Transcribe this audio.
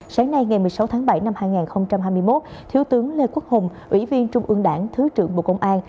sáng nay ngày một mươi sáu tháng bảy năm hai nghìn hai mươi một thiếu tướng lê quốc hùng ủy viên trung ương đảng thứ trưởng bộ công an